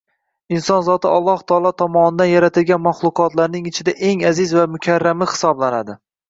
Inson zoti Alloh taolo tomonidan yaratilgan maxluqotlarning ichida eng aziz va mukarrami hisoblanadi